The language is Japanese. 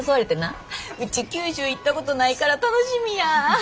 ウチ九州行ったことないから楽しみや！